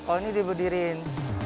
oh ini dibedirin